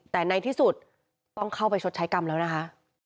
แต่ในที่สุดต้องเข้าไปชดใช้กรรมแล้วนะคะ